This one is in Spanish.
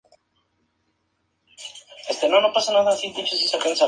Los galos invadieron Etruria y comenzaron a marchar hacia Roma.